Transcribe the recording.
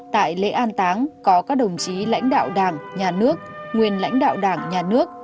tại lễ an táng có các đồng chí lãnh đạo đảng nhà nước nguyên lãnh đạo đảng nhà nước